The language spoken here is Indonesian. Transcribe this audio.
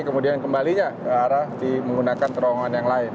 kemudian kembalinya ke arah menggunakan terowongan yang lain